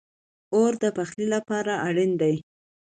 اور د پخلی لپاره اړین دی